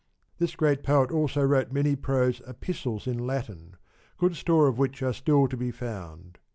This great poet also wrote many prose Epistles in Latin, good store of which are still to be found.